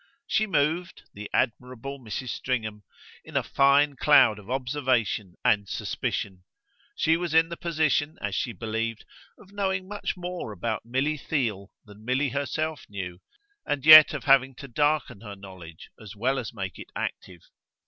She moved, the admirable Mrs. Stringham, in a fine cloud of observation and suspicion; she was in the position, as she believed, of knowing much more about Milly Theale than Milly herself knew, and yet of having to darken her knowledge as well as make it active.